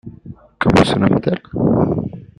Comment se nomme-t-elle?